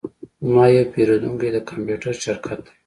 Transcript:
زما یو پیرودونکی د کمپیوټر شرکت دی